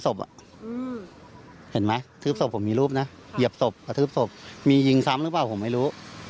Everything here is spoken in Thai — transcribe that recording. ทืบศพอะเห็นมั้ยทืบศพผมมีรูปนะเหยียบศพมียิงซ้ำรึเปล่าผมไม่รู้